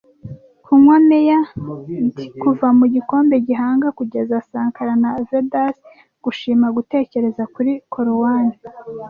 Kunywa mea d kuva mu gikombe-gihanga, kugeza Sankara na Vedas gushima , gutekereza kuri Korowani,